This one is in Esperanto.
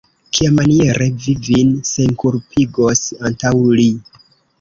Kiamaniere vi vin senkulpigos antaŭ li?